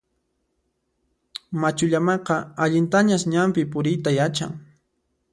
Machu llamaqa allintañas ñanpi puriyta yachan.